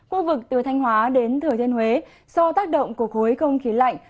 khu vực từ thanh hóa đến thừa thiên huế do tác động của khối không khí lạnh